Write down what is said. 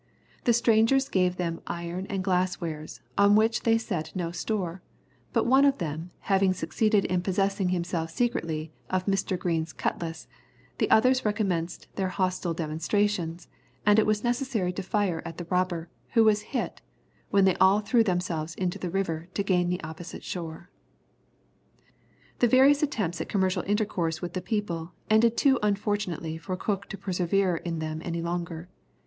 The strangers gave them iron and glass wares, on which they set no store; but one of them, having succeeded in possessing himself secretly of Mr. Green's cutlass, the others recommenced their hostile demonstrations, and it was necessary to fire at the robber, who was hit, when they all threw themselves into the river to gain the opposite shore. [Illustration: Tahitian flute player. (Fac simile of early engraving.)] The various attempts at commercial intercourse with the people ended too unfortunately for Cook to persevere in them any longer.